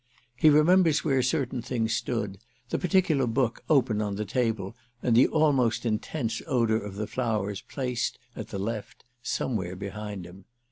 He remembers where certain things stood, the particular book open on the table and the almost intense odour of the flowers placed, at the left, somewhere behind him.